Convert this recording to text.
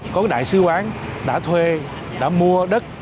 có đại sứ quán đã thuê đã mua đất